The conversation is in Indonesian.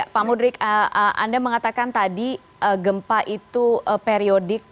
pak mudrik anda mengatakan tadi gempa itu periodik